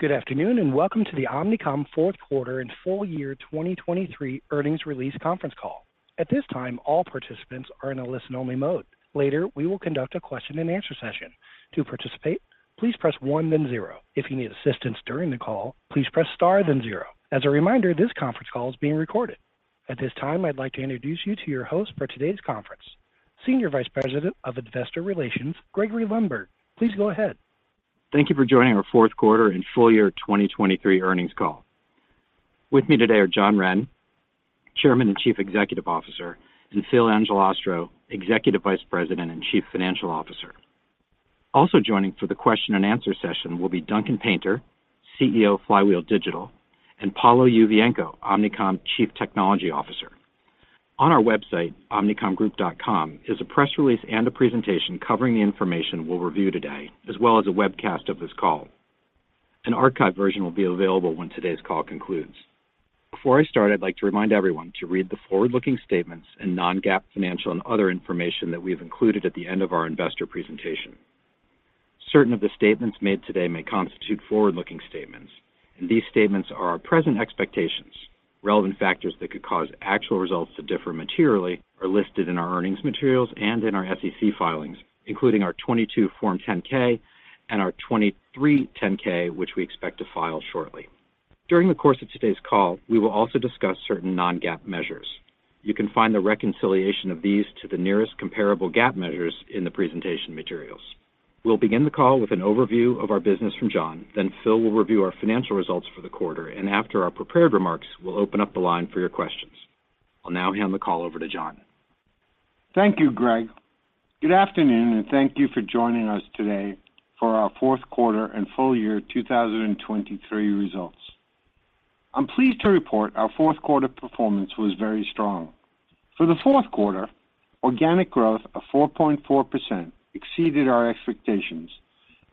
Good afternoon, and welcome to the Omnicom Fourth Quarter and Full Year 2023 Earnings Release Conference Call. At this time, all participants are in a listen-only mode. Later, we will conduct a question-and-answer session. To participate, please press one, then zero. If you need assistance during the call, please press star, then zero. As a reminder, this conference call is being recorded. At this time, I'd like to introduce you to your host for today's conference, Senior Vice President of Investor Relations, Gregory Lundberg. Please go ahead. Thank you for joining our fourth quarter and full year 2023 earnings call. With me today are John Wren, Chairman and Chief Executive Officer, and Phil Angelastro, Executive Vice President and Chief Financial Officer. Also joining for the question-and-answer session will be Duncan Painter, CEO of Flywheel Digital, and Paolo Yuvienco, Omnicom Chief Technology Officer. On our website, omnicomgroup.com, is a press release and a presentation covering the information we'll review today, as well as a webcast of this call. An archived version will be available when today's call concludes. Before I start, I'd like to remind everyone to read the forward-looking statements and non-GAAP financial and other information that we have included at the end of our investor presentation. Certain of the statements made today may constitute forward-looking statements, and these statements are our present expectations. Relevant factors that could cause actual results to differ materially are listed in our earnings materials and in our SEC filings, including our 2022 Form 10-K and our 2023 10-K, which we expect to file shortly. During the course of today's call, we will also discuss certain non-GAAP measures. You can find the reconciliation of these to the nearest comparable GAAP measures in the presentation materials. We'll begin the call with an overview of our business from John, then Phil will review our financial results for the quarter, and after our prepared remarks, we'll open up the line for your questions. I'll now hand the call over to John. Thank you, Greg. Good afternoon, and thank you for joining us today for our fourth quarter and full year 2023 results. I'm pleased to report our fourth quarter performance was very strong. For the fourth quarter, organic growth of 4.4% exceeded our expectations,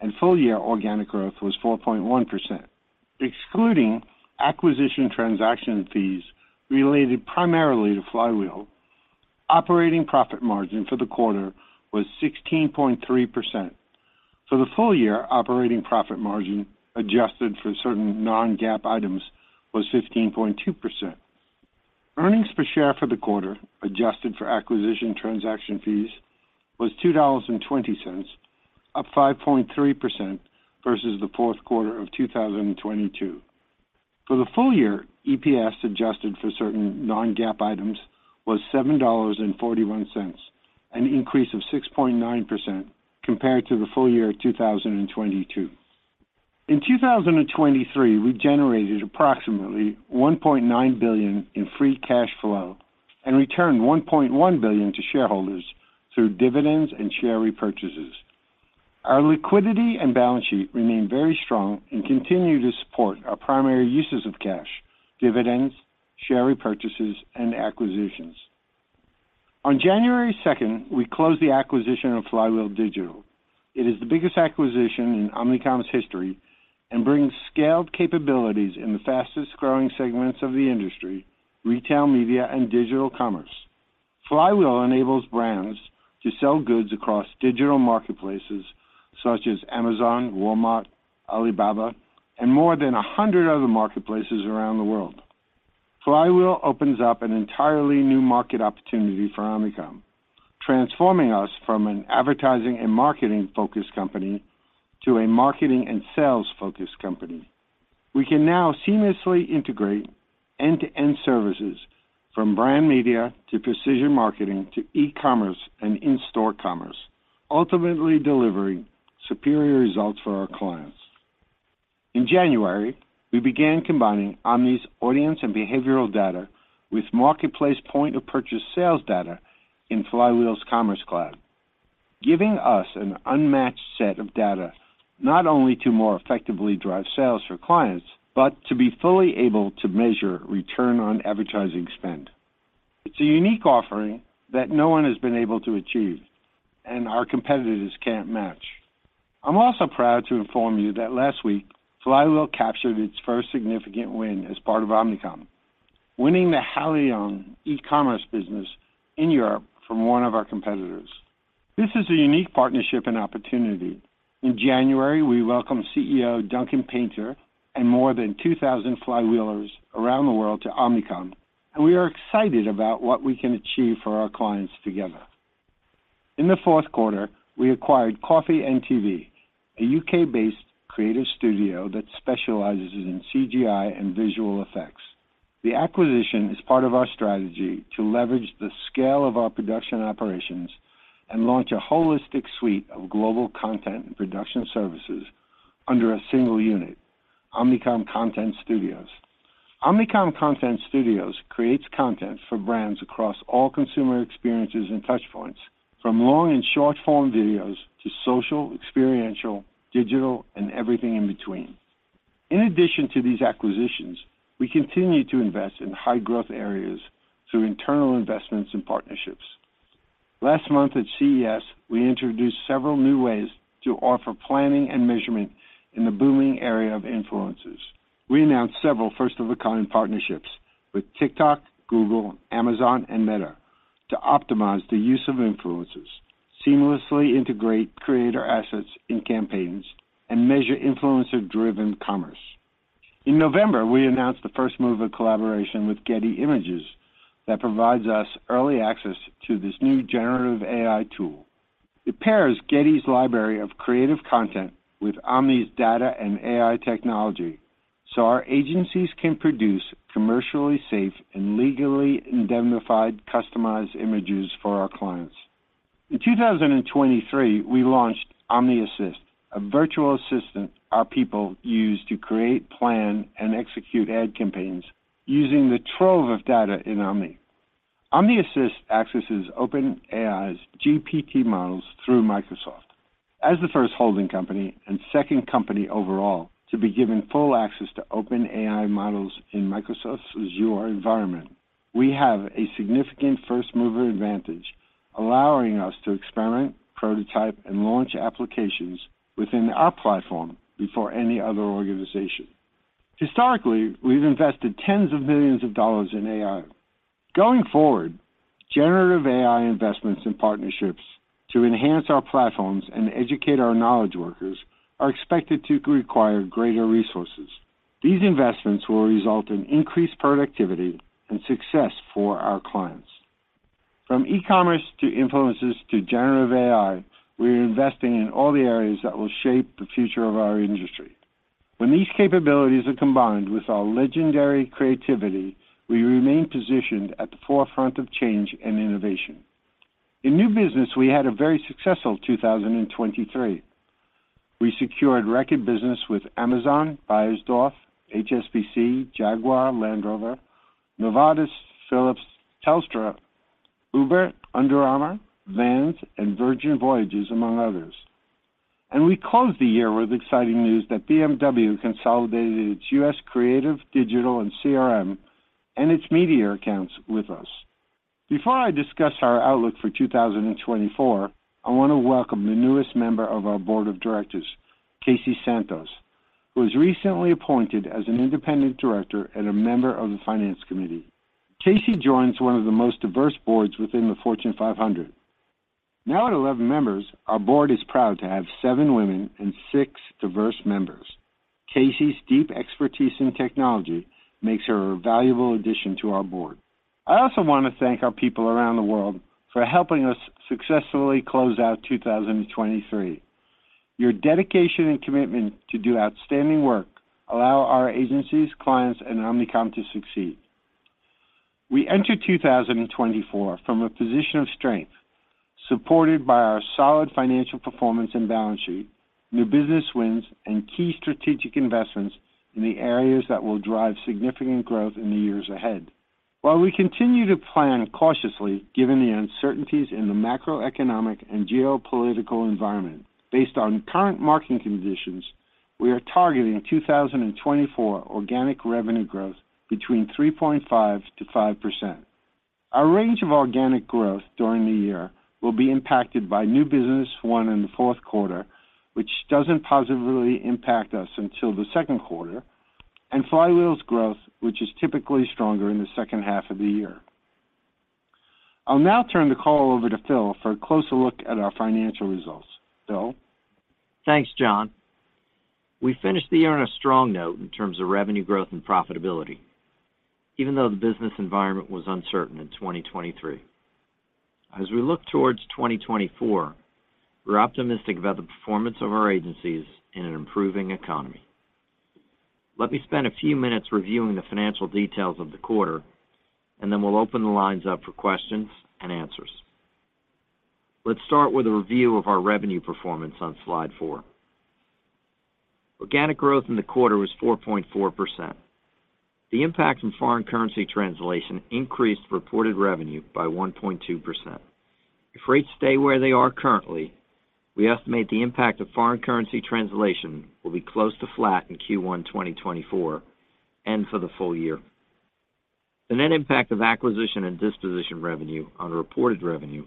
and full year organic growth was 4.1%. Excluding acquisition transaction fees related primarily to Flywheel, operating profit margin for the quarter was 16.3%. For the full year, operating profit margin, adjusted for certain non-GAAP items, was 15.2%. Earnings per share for the quarter, adjusted for acquisition transaction fees, was $2.20, up 5.3% versus the fourth quarter of 2022. For the full year, EPS, adjusted for certain non-GAAP items, was $7.41, an increase of 6.9% compared to the full year of 2022. In 2023, we generated approximately $1.9 billion in free cash flow and returned $1.1 billion to shareholders through dividends and share repurchases. Our liquidity and balance sheet remain very strong and continue to support our primary uses of cash, dividends, share repurchases, and acquisitions. On January 2nd, we closed the acquisition of Flywheel Digital. It is the biggest acquisition in Omnicom's history and brings scaled capabilities in the fastest-growing segments of the industry, retail, media, and digital commerce. Flywheel enables brands to sell goods across digital marketplaces such as Amazon, Walmart, Alibaba, and more than 100 other marketplaces around the world. Flywheel opens up an entirely new market opportunity for Omnicom, transforming us from an advertising and marketing-focused company to a marketing and sales-focused company. We can now seamlessly integrate end-to-end services from brand media to precision marketing to e-commerce and in-store commerce, ultimately delivering superior results for our clients. In January, we began combining Omni's audience and behavioral data with marketplace point-of-purchase sales data in Flywheel's Commerce Cloud, giving us an unmatched set of data, not only to more effectively drive sales for clients, but to be fully able to measure return on advertising spend. It's a unique offering that no one has been able to achieve, and our competitors can't match. I'm also proud to inform you that last week, Flywheel captured its first significant win as part of Omnicom, winning the Haleon e-commerce business in Europe from one of our competitors. This is a unique partnership and opportunity. In January, we welcomed CEO Duncan Painter and more than 2,000 Flywheelers around the world to Omnicom, and we are excited about what we can achieve for our clients together. In the fourth quarter, we acquired Coffee & TV, a U.K.-based creative studio that specializes in CGI and visual effects. The acquisition is part of our strategy to leverage the scale of our production operations and launch a holistic suite of global content and production services under a single unit, Omnicom Content Studios. Omnicom Content Studios creates content for brands across all consumer experiences and touchpoints, from long and short-form videos to social, experiential, digital, and everything in between. In addition to these acquisitions, we continue to invest in high-growth areas through internal investments and partnerships. Last month at CES, we introduced several new ways to offer planning and measurement in the booming area of influence.... We announced several first-of-a-kind partnerships with TikTok, Google, Amazon, and Meta to optimize the use of influencers, seamlessly integrate creator assets in campaigns, and measure influencer-driven commerce. In November, we announced the first move of collaboration with Getty Images that provides us early access to this new generative AI tool. It pairs Getty's library of creative content with Omni's data and AI technology, so our agencies can produce commercially safe and legally indemnified customized images for our clients. In 2023, we launched Omni Assist, a virtual assistant our people use to create, plan, and execute ad campaigns using the trove of data in Omni. Omni Assist accesses OpenAI's GPT models through Microsoft. As the first holding company and second company overall to be given full access to OpenAI models in Microsoft's Azure environment, we have a significant first-mover advantage, allowing us to experiment, prototype, and launch applications within our platform before any other organization. Historically, we've invested tens of millions of dollars in AI. Going forward, generative AI investments and partnerships to enhance our platforms and educate our knowledge workers are expected to require greater resources. These investments will result in increased productivity and success for our clients. From e-commerce, to influencers, to generative AI, we are investing in all the areas that will shape the future of our industry. When these capabilities are combined with our legendary creativity, we remain positioned at the forefront of change and innovation. In new business, we had a very successful 2023. We secured record business with Amazon, Beiersdorf, HSBC, Jaguar Land Rover, Novartis, Philips, Telstra, Uber, Under Armour, Vans, and Virgin Voyages, among others. We closed the year with exciting news that BMW consolidated its U.S. creative, digital, and CRM, and its media accounts with us. Before I discuss our outlook for 2024, I want to welcome the newest member of our board of directors, Casey Santos, who was recently appointed as an independent director and a member of the finance committee. Casey joins one of the most diverse boards within the Fortune 500. Now, at 11 members, our board is proud to have seven women and six diverse members. Casey's deep expertise in technology makes her a valuable addition to our board. I also want to thank our people around the world for helping us successfully close out 2023. Your dedication and commitment to do outstanding work allow our agencies, clients, and Omnicom to succeed. We enter 2024 from a position of strength, supported by our solid financial performance and balance sheet, new business wins, and key strategic investments in the areas that will drive significant growth in the years ahead. While we continue to plan cautiously, given the uncertainties in the macroeconomic and geopolitical environment, based on current market conditions, we are targeting 2024 organic revenue growth between 3.5%-5%. Our range of organic growth during the year will be impacted by new business won in the fourth quarter, which doesn't positively impact us until the second quarter, and Flywheel's growth, which is typically stronger in the second half of the year. I'll now turn the call over to Phil for a closer look at our financial results. Phil? Thanks, John. We finished the year on a strong note in terms of revenue growth and profitability, even though the business environment was uncertain in 2023. As we look towards 2024, we're optimistic about the performance of our agencies in an improving economy. Let me spend a few minutes reviewing the financial details of the quarter, and then we'll open the lines up for questions and answers. Let's start with a review of our revenue performance on slide four. Organic growth in the quarter was 4.4%. The impact from foreign currency translation increased reported revenue by 1.2%. If rates stay where they are currently, we estimate the impact of foreign currency translation will be close to flat in Q1 2024, and for the full year. The net impact of acquisition and disposition revenue on the reported revenue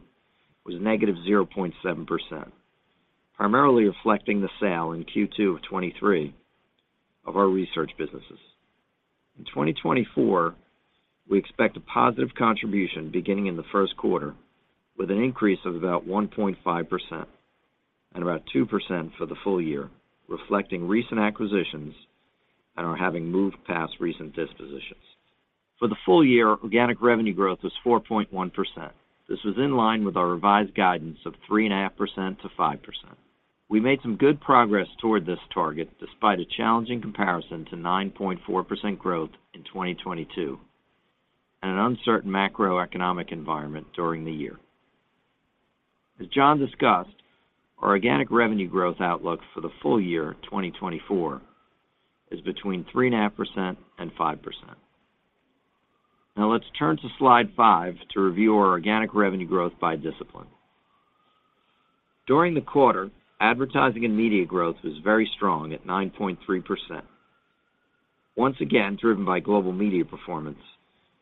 was negative 0.7%, primarily reflecting the sale in Q2 of 23 of our research businesses. In 2024, we expect a positive contribution beginning in the first quarter, with an increase of about 1.5% and about 2% for the full year, reflecting recent acquisitions and are having moved past recent dispositions. For the full year, organic revenue growth was 4.1%. This was in line with our revised guidance of 3.5%-5%. We made some good progress toward this target, despite a challenging comparison to 9.4% growth in 2022, and an uncertain macroeconomic environment during the year. As John discussed, our organic revenue growth outlook for the full year 2024 is between 3.5% and 5%. Now, let's turn to Slide five to review our organic revenue growth by discipline. During the quarter, advertising and media growth was very strong at 9.3%. Once again, driven by global media performance,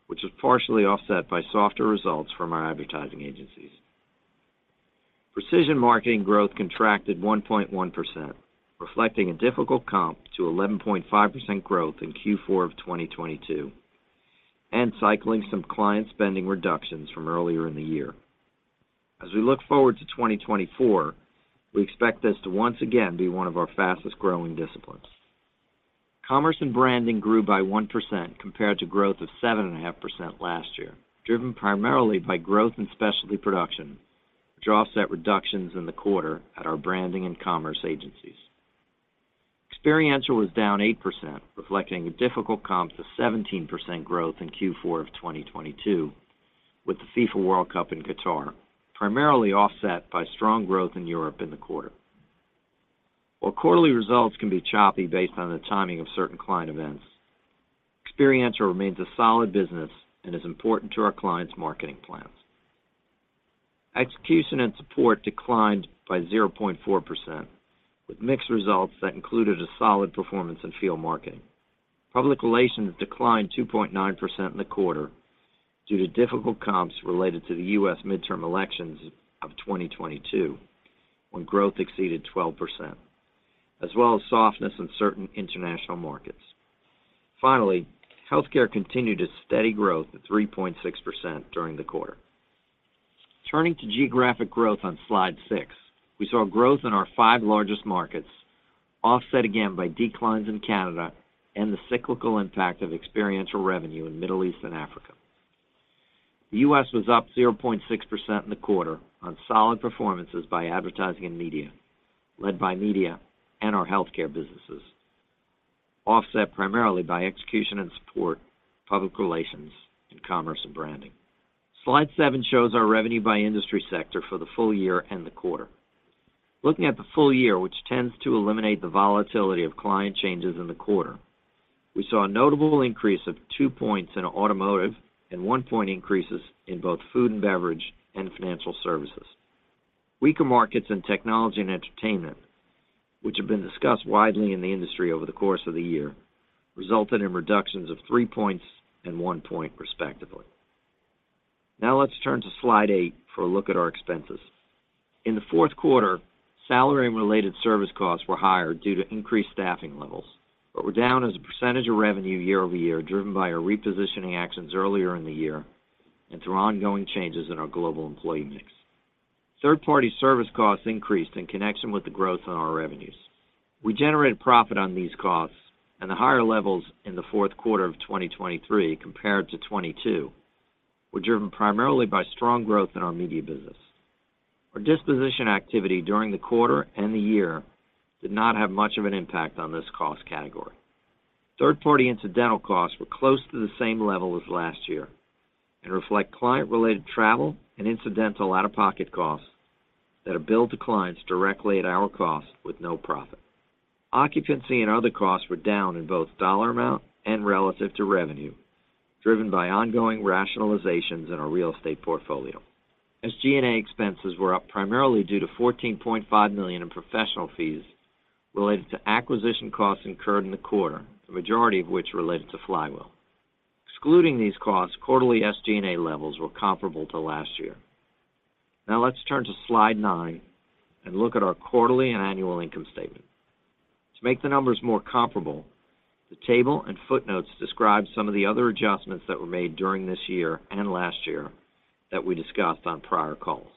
which was partially offset by softer results from our advertising agencies.... Precision marketing growth contracted 1.1%, reflecting a difficult comp to 11.5% growth in Q4 of 2022, and cycling some client spending reductions from earlier in the year. As we look forward to 2024, we expect this to once again be one of our fastest growing disciplines. Commerce and branding grew by 1% compared to growth of 7.5% last year, driven primarily by growth in specialty production, which offset reductions in the quarter at our branding and commerce agencies. Experiential was down 8%, reflecting a difficult comp to 17% growth in Q4 of 2022, with the FIFA World Cup in Qatar, primarily offset by strong growth in Europe in the quarter. While quarterly results can be choppy based on the timing of certain client events, experiential remains a solid business and is important to our clients' marketing plans. Execution and support declined by 0.4%, with mixed results that included a solid performance in field marketing. Public relations declined 2.9% in the quarter due to difficult comps related to the U.S. midterm elections of 2022, when growth exceeded 12%, as well as softness in certain international markets. Finally, healthcare continued its steady growth at 3.6% during the quarter. Turning to geographic growth on Slide six, we saw growth in our five largest markets offset again by declines in Canada and the cyclical impact of experiential revenue in Middle East and Africa. The U.S. was up 0.6% in the quarter on solid performances by advertising and media, led by media and our healthcare businesses, offset primarily by execution and support, public relations, and commerce and branding. Slide seven shows our revenue by industry sector for the full year and the quarter. Looking at the full year, which tends to eliminate the volatility of client changes in the quarter, we saw a notable increase of two points in automotive and one point increases in both food and beverage and financial services. Weaker markets in technology and entertainment, which have been discussed widely in the industry over the course of the year, resulted in reductions of three points and onee point, respectively. Now let's turn to Slide eight for a look at our expenses. In the fourth quarter, salary and related service costs were higher due to increased staffing levels, but were down as a percentage of revenue year-over-year, driven by our repositioning actions earlier in the year and through ongoing changes in our global employee mix. Third-party service costs increased in connection with the growth on our revenues. We generated profit on these costs, and the higher levels in the fourth quarter of 2023 compared to 2022 were driven primarily by strong growth in our media business. Our disposition activity during the quarter and the year did not have much of an impact on this cost category. Third-party incidental costs were close to the same level as last year and reflect client-related travel and incidental out-of-pocket costs that are billed to clients directly at our cost with no profit. Occupancy and other costs were down in both dollar amount and relative to revenue, driven by ongoing rationalizations in our real estate portfolio. SG&A expenses were up primarily due to $14.5 million in professional fees related to acquisition costs incurred in the quarter, the majority of which related to Flywheel. Excluding these costs, quarterly SG&A levels were comparable to last year. Now let's turn to Slide nine and look at our quarterly and annual income statement. To make the numbers more comparable, the table and footnotes describe some of the other adjustments that were made during this year and last year that we discussed on prior calls.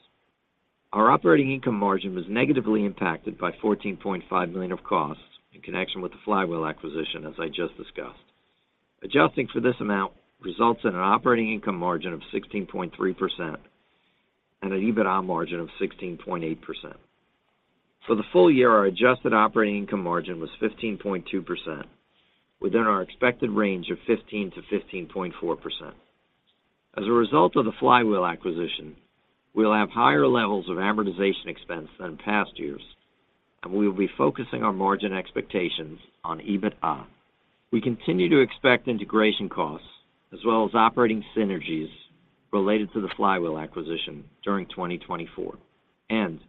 Our operating income margin was negatively impacted by $14.5 million of costs in connection with the Flywheel acquisition, as I just discussed. Adjusting for this amount results in an operating income margin of 16.3% and an EBITDA margin of 16.8%. For the full year, our adjusted operating income margin was 15.2%, within our expected range of 15%-15.4%. As a result of the Flywheel acquisition, we'll have higher levels of amortization expense than in past years, and we will be focusing our margin expectations on EBITDA. We continue to expect integration costs as well as operating synergies related to the Flywheel acquisition during 2024, and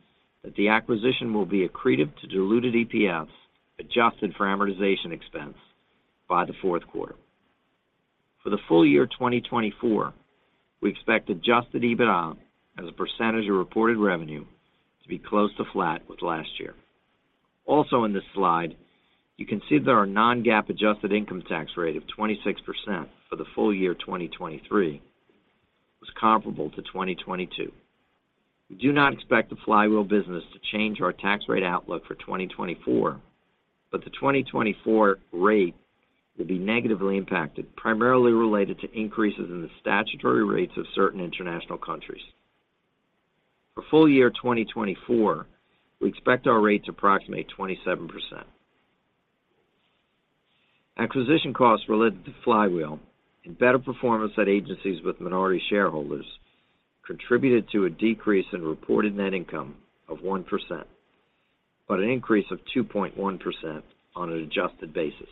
that the acquisition will be accretive to diluted EPS, adjusted for amortization expense by the fourth quarter. For the full year 2024, we expect adjusted EBITDA as a percentage of reported revenue to be close to flat with last year. Also in this slide, you can see that our non-GAAP adjusted income tax rate of 26% for the full year 2023 was comparable to 2022. We do not expect the Flywheel business to change our tax rate outlook for 2024, but the 2024 rate will be negatively impacted, primarily related to increases in the statutory rates of certain international countries. For full year 2024, we expect our rate to approximate 27%. Acquisition costs related to Flywheel and better performance at agencies with minority shareholders contributed to a decrease in reported net income of 1%, but an increase of 2.1% on an adjusted basis.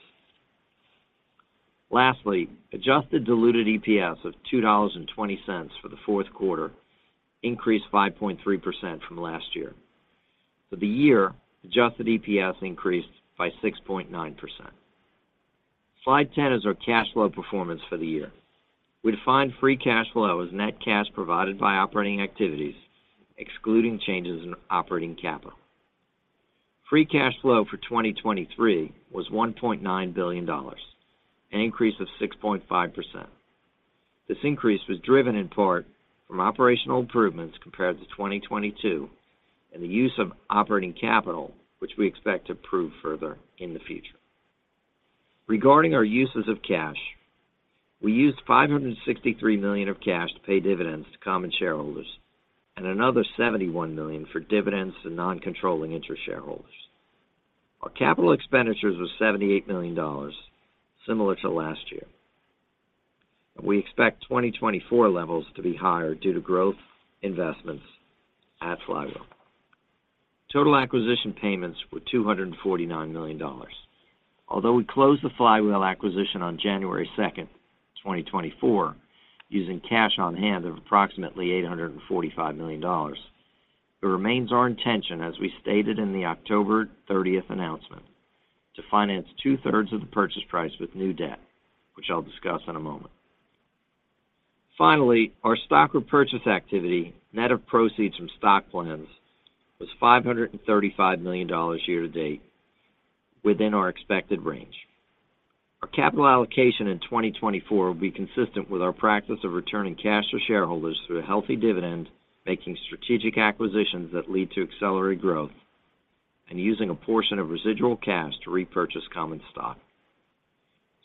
Lastly, adjusted diluted EPS of $2.20 for the fourth quarter increased 5.3% from last year. For the year, adjusted EPS increased by 6.9%. Slide 10 is our cash flow performance for the year. We define free cash flow as net cash provided by operating activities, excluding changes in operating capital. Free cash flow for 2023 was $1.9 billion, an increase of 6.5%. This increase was driven in part from operational improvements compared to 2022, and the use of operating capital, which we expect to improve further in the future. Regarding our uses of cash, we used $563 million of cash to pay dividends to common shareholders and another $71 million for dividends to non-controlling interest shareholders. Our capital expenditures was $78 million, similar to last year. We expect 2024 levels to be higher due to growth investments at Flywheel. Total acquisition payments were $249 million. Although we closed the Flywheel acquisition on January 2nd, 2024, using cash on hand of approximately $845 million, it remains our intention, as we stated in the October 30th announcement, to finance 2/3 of the purchase price with new debt, which I'll discuss in a moment. Finally, our stock repurchase activity, net of proceeds from stock plans, was $535 million year to date, within our expected range. Our capital allocation in 2024 will be consistent with our practice of returning cash to shareholders through a healthy dividend, making strategic acquisitions that lead to accelerated growth, and using a portion of residual cash to repurchase common stock.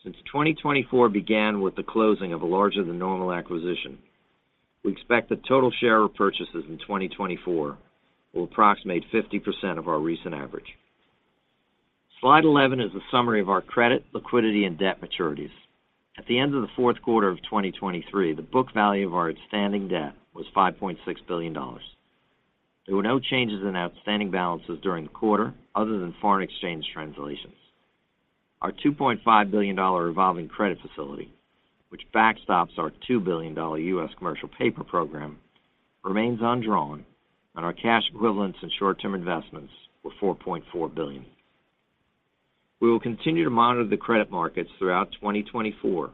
Since 2024 began with the closing of a larger-than-normal acquisition, we expect that total share repurchases in 2024 will approximate 50% of our recent average. Slide 11 is a summary of our credit, liquidity, and debt maturities. At the end of the fourth quarter of 2023, the book value of our outstanding debt was $5.6 billion. There were no changes in outstanding balances during the quarter other than foreign exchange translations. Our $2.5 billion revolving credit facility, which backstops our $2 billion U.S. commercial paper program, remains undrawn, and our cash equivalents and short-term investments were $4.4 billion. We will continue to monitor the credit markets throughout 2024,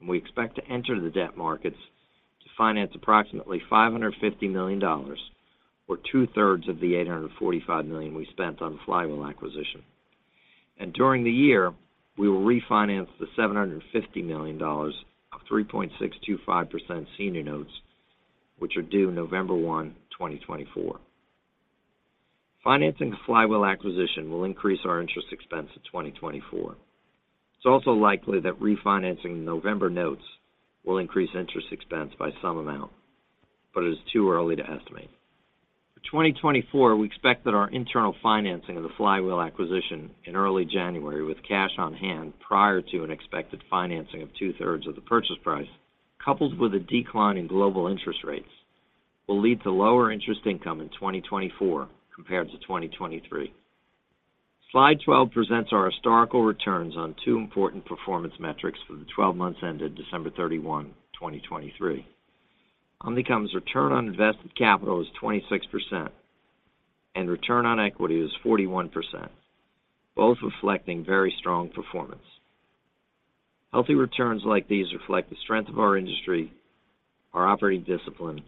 and we expect to enter the debt markets to finance approximately $550 million, or 2/3 of the $845 million we spent on the Flywheel acquisition. During the year, we will refinance the $750 million of 3.625% senior notes, which are due November 1, 2024. Financing the Flywheel acquisition will increase our interest expense in 2024. It's also likely that refinancing the November notes will increase interest expense by some amount, but it is too early to estimate. For 2024, we expect that our internal financing of the Flywheel acquisition in early January, with cash on hand prior to an expected financing of two-thirds of the purchase price, coupled with a decline in global interest rates, will lead to lower interest income in 2024 compared to 2023. Slide 12 presents our historical returns on two important performance metrics for the 12 months ended December 31, 2023. Omnicom's return on invested capital is 26%, and return on equity is 41%, both reflecting very strong performance. Healthy returns like these reflect the strength of our industry, our operating discipline,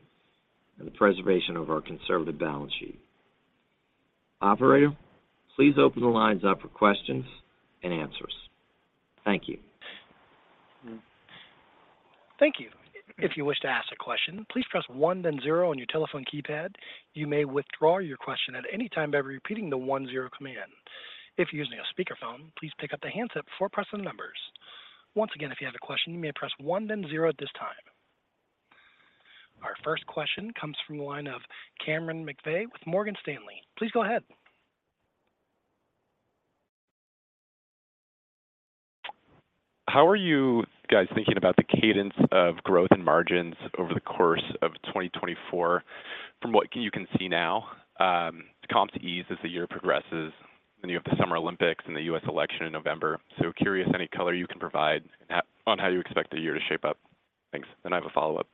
and the preservation of our conservative balance sheet. Operator, please open the lines up for questions and answers. Thank you. Thank you. If you wish to ask a question, please press one, then zero on your telephone keypad. You may withdraw your question at any time by repeating the one-zero command. If you're using a speakerphone, please pick up the handset before pressing the numbers. Once again, if you have a question, you may press one, then zero at this time. Our first question comes from the line of Cameron McVeigh with Morgan Stanley. Please go ahead. How are you guys thinking about the cadence of growth and margins over the course of 2024 from what you can see now, comps ease as the year progresses, then you have the Summer Olympics and the U.S. election in November? So curious, any color you can provide on how you expect the year to shape up. Thanks. And I have a follow-up.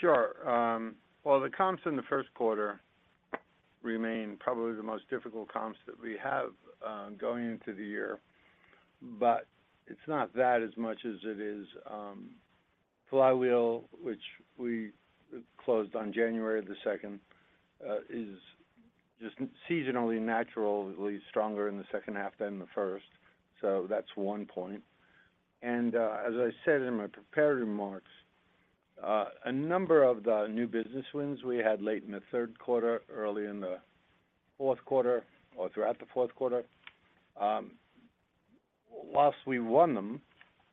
Sure. Well, the comps in the first quarter remain probably the most difficult comps that we have, going into the year, but it's not that as much as it is, Flywheel, which we closed on January 2nd, is just seasonally, naturally stronger in the second half than the first. So that's one point. And, as I said in my prepared remarks, a number of the new business wins we had late in the third quarter, early in the fourth quarter, or throughout the fourth quarter, while we won them,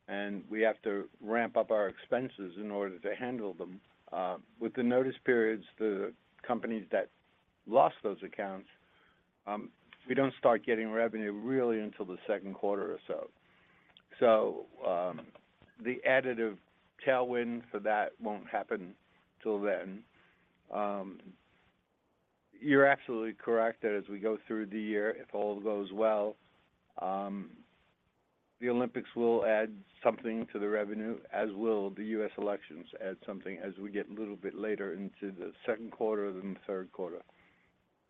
and we have to ramp up our expenses in order to handle them, with the notice periods, the companies that lost those accounts, we don't start getting revenue really until the second quarter or so. So, the additive tailwind for that won't happen till then. You're absolutely correct that as we go through the year, if all goes well, the Olympics will add something to the revenue, as will the U.S. elections add something as we get a little bit later into the second quarter than the third quarter....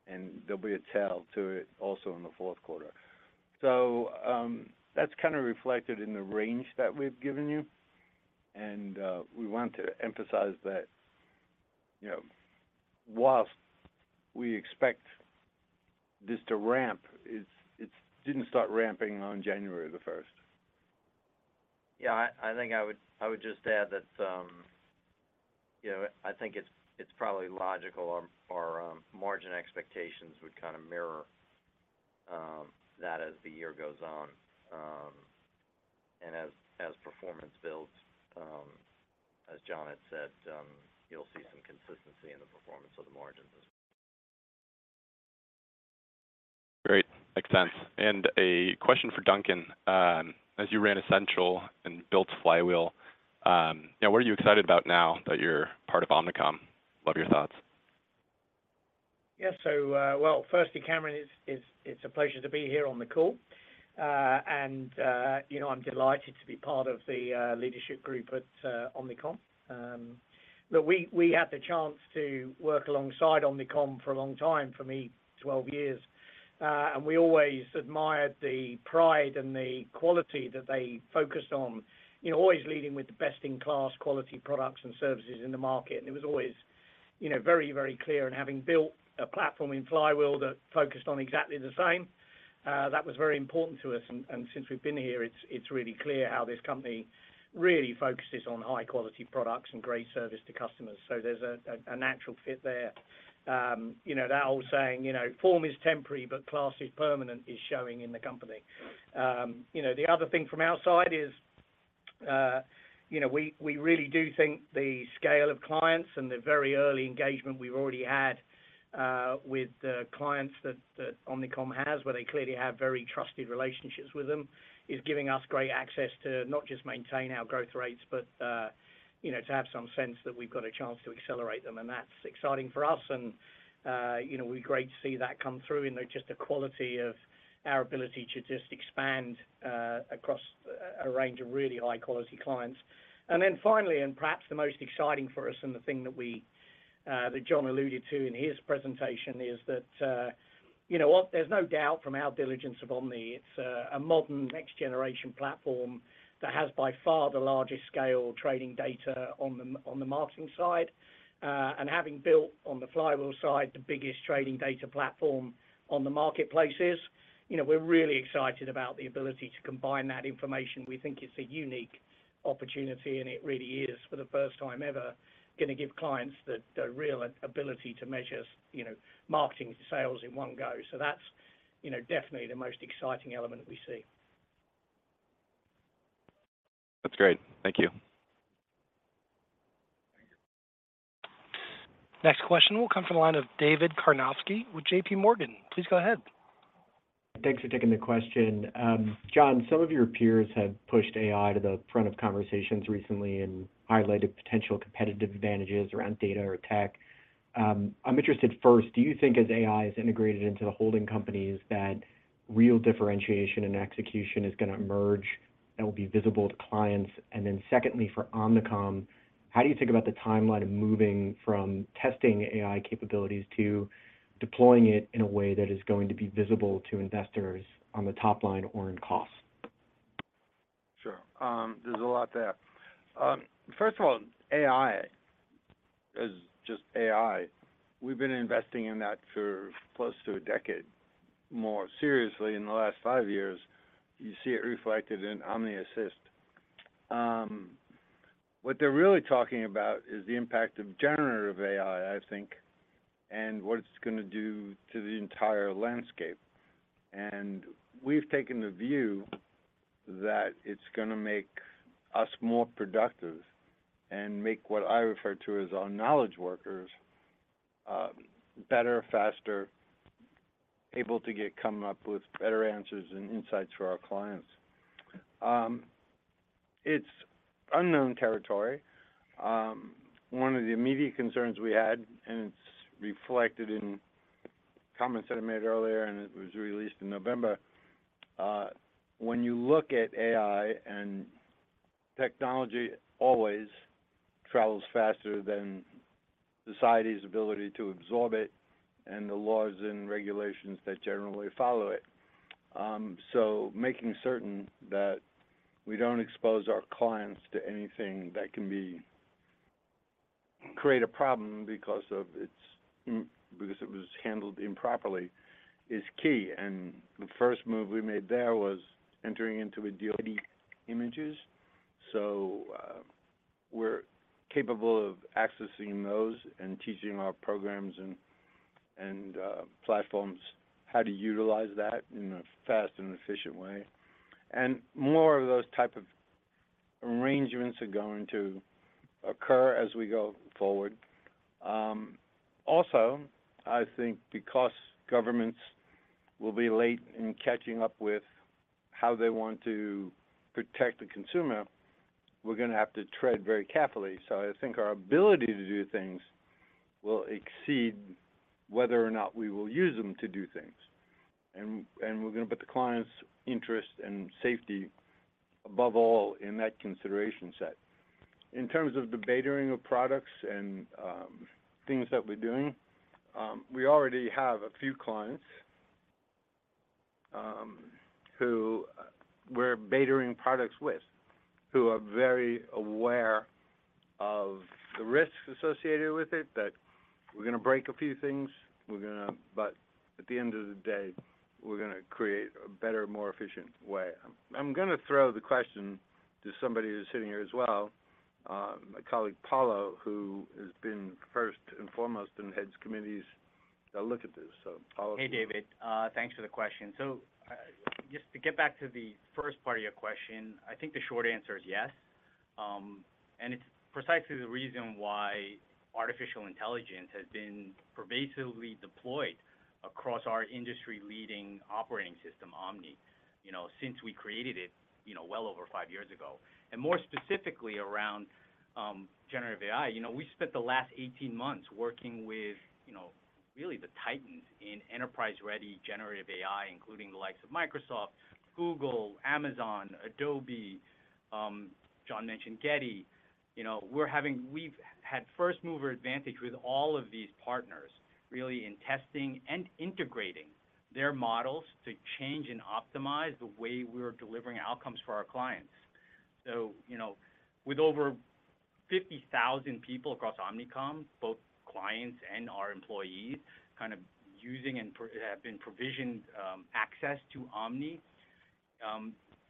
and there'll be a tail to it also in the fourth quarter. So, that's kind of reflected in the range that we've given you, and, we want to emphasize that, you know, whilst we expect this to ramp, it didn't start ramping on January the 1st. Yeah, I think I would just add that, you know, I think it's probably logical our margin expectations would kind of mirror that as the year goes on. And as performance builds, as John had said, you'll see some consistency in the performance of the margins as well. Great. Makes sense. And a question for Duncan. As you ran Ascential and built Flywheel, you know, what are you excited about now that you're part of Omnicom? Love your thoughts. Yeah. So, well, firstly, Cameron, it's a pleasure to be here on the call. And, you know, I'm delighted to be part of the leadership group at Omnicom. But we had the chance to work alongside Omnicom for a long time, for me, 12 years, and we always admired the pride and the quality that they focused on. You know, always leading with the best-in-class quality products and services in the market, and it was always, you know, very, very clear. And having built a platform in Flywheel that focused on exactly the same, that was very important to us. And since we've been here, it's really clear how this company really focuses on high quality products and great service to customers. So there's a natural fit there. You know, that old saying, you know, "Form is temporary, but class is permanent," is showing in the company. You know, the other thing from outside is, you know, we, we really do think the scale of clients and the very early engagement we've already had, with the clients that, that Omnicom has, where they clearly have very trusted relationships with them, is giving us great access to not just maintain our growth rates, but, you know, to have some sense that we've got a chance to accelerate them, and that's exciting for us. And, you know, we're great to see that come through, and just the quality of our ability to just expand, across a, a range of really high-quality clients. Then finally, and perhaps the most exciting for us, and the thing that we, that John alluded to in his presentation is that, you know what? There's no doubt from our diligence of Omni, it's a modern next-generation platform that has, by far, the largest scale trading data on the marketing side. And having built on the Flywheel side, the biggest trading data platform on the marketplaces, you know, we're really excited about the ability to combine that information. We think it's a unique opportunity, and it really is, for the first time ever, gonna give clients the real ability to measure, you know, marketing sales in one go. So that's, you know, definitely the most exciting element we see. That's great. Thank you. Next question will come from the line of David Karnovsky with J.P. Morgan. Please go ahead. Thanks for taking the question. John, some of your peers have pushed AI to the front of conversations recently and highlighted potential competitive advantages around data or tech. I'm interested, first, do you think as AI is integrated into the holding companies, that real differentiation and execution is gonna emerge and will be visible to clients? And then secondly, for Omnicom, how do you think about the timeline of moving from testing AI capabilities to deploying it in a way that is going to be visible to investors on the top line or in costs? Sure. There's a lot there. First of all, AI is just AI. We've been investing in that for close to a decade, more seriously in the last five years. You see it reflected in Omni Assist. What they're really talking about is the impact of generative AI, I think, and what it's gonna do to the entire landscape. And we've taken the view that it's gonna make us more productive and make what I refer to as our knowledge workers, better, faster, able to come up with better answers and insights for our clients. It's unknown territory. One of the immediate concerns we had, and it's reflected in comments that I made earlier, and it was released in November. When you look at AI, and technology always travels faster than society's ability to absorb it and the laws and regulations that generally follow it. So making certain that we don't expose our clients to anything that can create a problem because of its, because it was handled improperly, is key. And the first move we made there was entering into a deal with Getty Images. So, we're capable of accessing those and teaching our programs and platforms how to utilize that in a fast and efficient way. And more of those type of arrangements are going to occur as we go forward. Also, I think because governments will be late in catching up with how they want to protect the consumer, we're gonna have to tread very carefully. So I think our ability to do things will exceed whether or not we will use them to do things. And we're gonna put the client's interest and safety above all, in that consideration set. In terms of the beta-ing of products and things that we're doing, we already have a few clients who we're beta-ing products with, who are very aware of the risks associated with it, that we're gonna break a few things, we're gonna but at the end of the day, we're gonna create a better, more efficient way. I'm gonna throw the question to somebody who's sitting here as well, my colleague, Paolo, who has been first and foremost, and heads committees that look at this. So Paolo? Hey, David, thanks for the question. So, just to get back to the first part of your question, I think the short answer is yes. And it's precisely the reason why artificial intelligence has been pervasively deployed across our industry-leading operating system, Omni, you know, since we created it, you know, well over five years ago. And more specifically, around generative AI, you know, we spent the last 18 months working with, you know, really the titans in enterprise-ready generative AI, including the likes of Microsoft, Google, Amazon, Adobe, John mentioned Getty. You know, we're having-- we've had first mover advantage with all of these partners, really, in testing and integrating their models to change and optimize the way we're delivering outcomes for our clients. So, you know, with over 50,000 people across Omnicom, both clients and our employees, kind of using and have been provisioned access to Omni,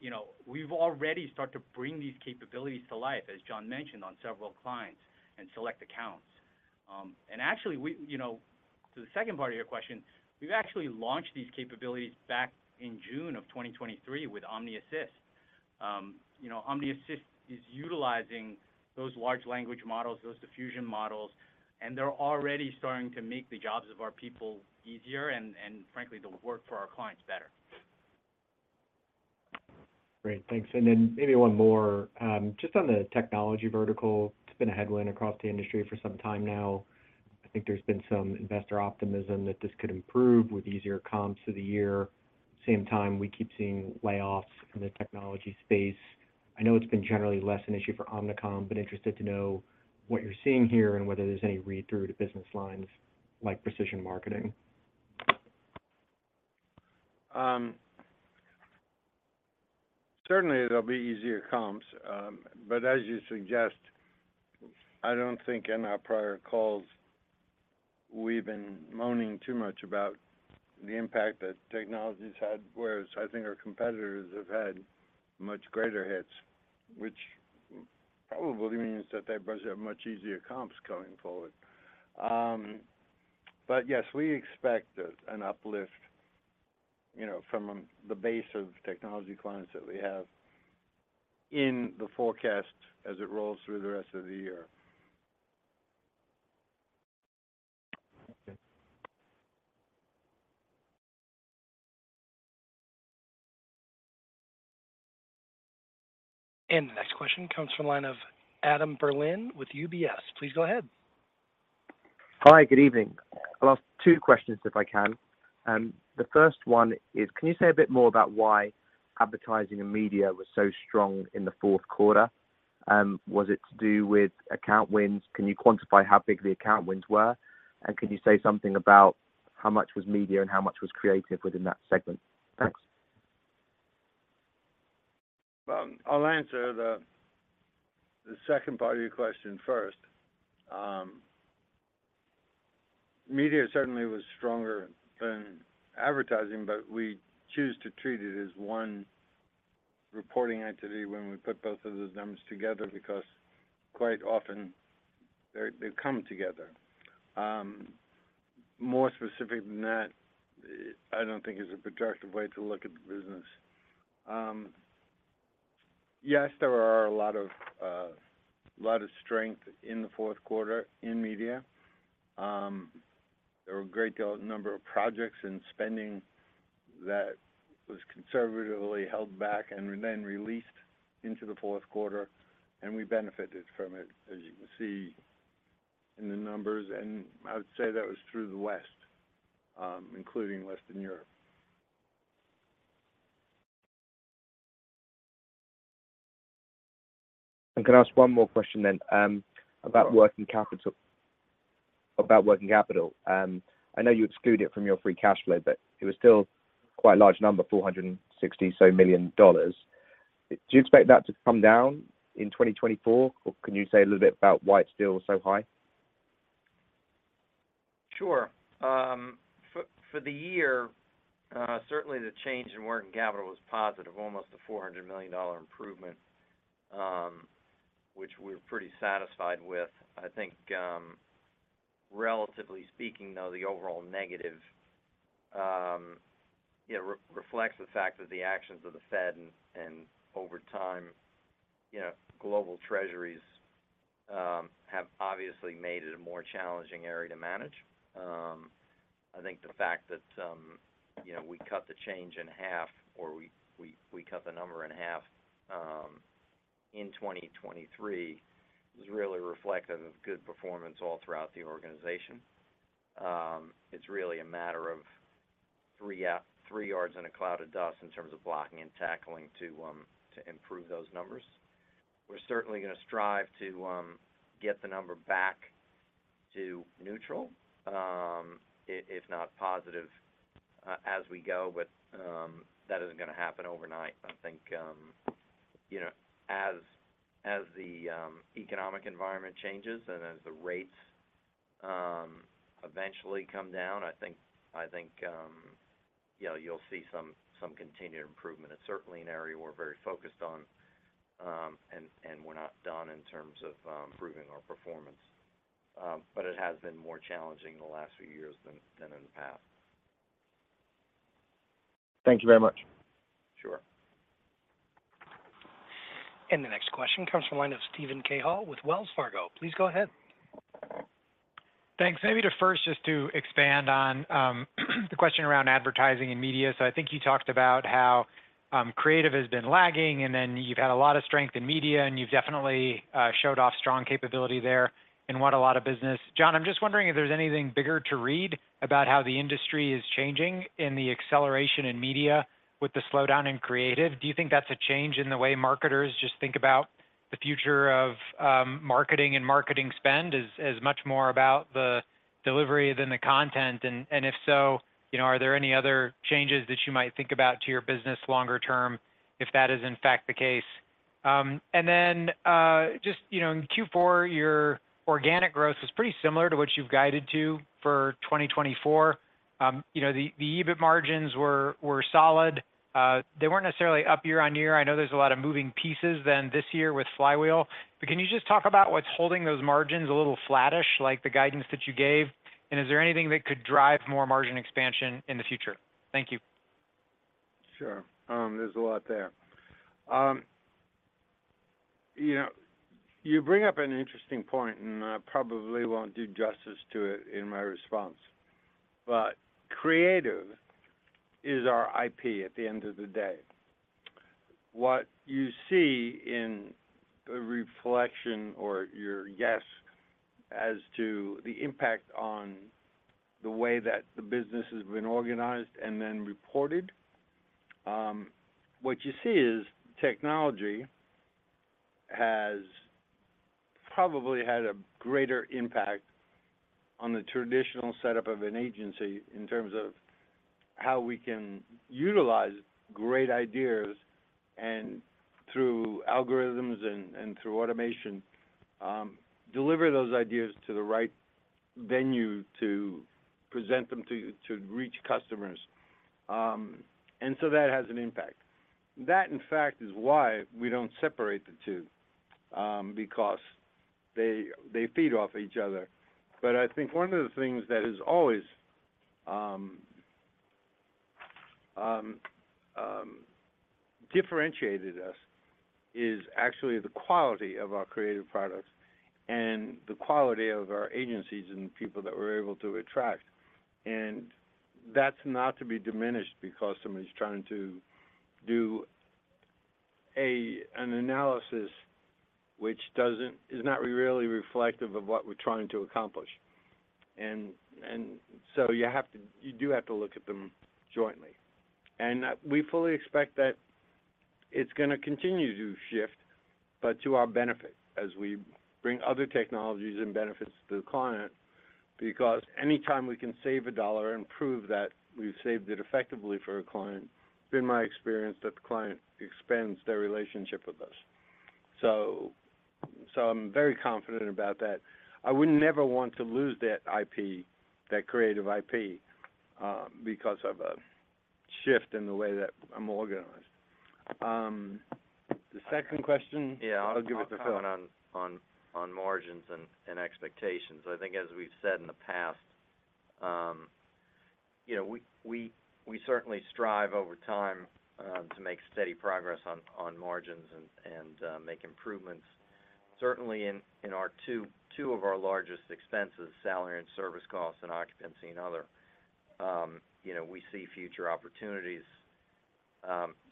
you know, we've already start to bring these capabilities to life, as John mentioned, on several clients and select accounts. And actually, to the second part of your question, we've actually launched these capabilities back in June 2023 with Omni Assist. You know, Omni Assist is utilizing those large language models, those diffusion models, and they're already starting to make the jobs of our people easier and, frankly, the work for our clients better. Great, thanks. And then maybe one more. Just on the technology vertical, it's been a headwind across the industry for some time now. I think there's been some investor optimism that this could improve with easier comps for the year. Same time, we keep seeing layoffs in the technology space. I know it's been generally less an issue for Omnicom, but interested to know what you're seeing here and whether there's any read-through to business lines like precision marketing. Certainly there'll be easier comps. But as you suggest, I don't think in our prior calls, we've been moaning too much about the impact that technology has had, whereas I think our competitors have had much greater hits, which probably means that they both have much easier comps coming forward. But yes, we expect an uplift, you know, from the base of technology clients that we have in the forecast as it rolls through the rest of the year. Okay. The next question comes from the line of Adam Berlin with UBS. Please go ahead. Hi, good evening. I'll ask two questions, if I can. The first one is, can you say a bit more about why advertising and media was so strong in the fourth quarter? Was it to do with account wins? Can you quantify how big the account wins were? And could you say something about how much was media and how much was creative within that segment? Thanks. I'll answer the second part of your question first. Media certainly was stronger than advertising, but we choose to treat it as one reporting entity when we put both of those numbers together, because quite often they come together. More specific than that, I don't think is a productive way to look at the business. Yes, there are a lot of strength in the fourth quarter in media. There were a great deal, number of projects and spending that was conservatively held back and then released into the fourth quarter, and we benefited from it, as you can see in the numbers. I would say that was through the West, including Western Europe. Can I ask one more question then, about working capital? I know you exclude it from your free cash flow, but it was still quite a large number, $460 million. Do you expect that to come down in 2024? Or can you say a little bit about why it's still so high? Sure. For the year, certainly the change in working capital was positive, almost a $400 million improvement, which we're pretty satisfied with. I think, relatively speaking, though, the overall negative, you know, reflects the fact that the actions of the Fed and over time, you know, global treasuries have obviously made it a more challenging area to manage. I think the fact that, you know, we cut the change in half, or we cut the number in half. ... in 2023 is really reflective of good performance all throughout the organization. It's really a matter of three yards in a cloud of dust in terms of blocking and tackling to improve those numbers. We're certainly going to strive to get the number back to neutral, if not positive, as we go, but that isn't going to happen overnight. I think you know, as the economic environment changes and as the rates eventually come down, I think you know, you'll see some continued improvement. It's certainly an area we're very focused on, and we're not done in terms of improving our performance. But it has been more challenging in the last few years than in the past. Thank you very much. Sure. The next question comes from the line of Steven Cahall with Wells Fargo. Please go ahead. Thanks. Maybe to first, just to expand on the question around advertising and media. So I think you talked about how creative has been lagging, and then you've had a lot of strength in media, and you've definitely showed off strong capability there and won a lot of business. John, I'm just wondering if there's anything bigger to read about how the industry is changing and the acceleration in media with the slowdown in creative. Do you think that's a change in the way marketers just think about the future of marketing and marketing spend as much more about the delivery than the content? And if so, you know, are there any other changes that you might think about to your business longer term, if that is in fact the case? And then, just, you know, in Q4, your organic growth was pretty similar to what you've guided to for 2024. You know, the EBIT margins were solid. They weren't necessarily up year-on-year. I know there's a lot of moving pieces then this year with Flywheel, but can you just talk about what's holding those margins a little flattish, like the guidance that you gave? And is there anything that could drive more margin expansion in the future? Thank you. Sure. There's a lot there. You know, you bring up an interesting point, and I probably won't do justice to it in my response, but creative is our IP at the end of the day. What you see in a reflection or your guess as to the impact on the way that the business has been organized and then reported, what you see is technology has probably had a greater impact on the traditional setup of an agency in terms of how we can utilize great ideas and through algorithms and through automation, deliver those ideas to the right venue to present them to reach customers. And so that has an impact. That, in fact, is why we don't separate the two, because they feed off each other. But I think one of the things that has always differentiated us is actually the quality of our creative products and the quality of our agencies and the people that we're able to attract. And that's not to be diminished because somebody's trying to do an analysis which doesn't is not really reflective of what we're trying to accomplish. And so you have to, you do have to look at them jointly. And we fully expect that it's going to continue to shift, but to our benefit as we bring other technologies and benefits to the client, because anytime we can save a dollar and prove that we've saved it effectively for a client, it's been my experience that the client expands their relationship with us. So I'm very confident about that. I would never want to lose that IP, that creative IP, because of a shift in the way that I'm organized. The second question? Yeah, I'll give a comment on margins and expectations. I think as we've said in the past, you know, we certainly strive over time to make steady progress on margins and make improvements. Certainly, in two of our largest expenses, salary and service costs and occupancy and other, you know, we see future opportunities.